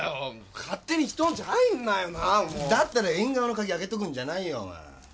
勝手に人んち入るなよなだったら縁側のカギ開けとくんじゃないよ